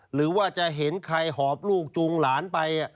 หรือว่าจะเห็นใครหอบลูกจูงหลานไป